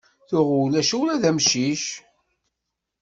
Tuɣ ulac ula d amcic.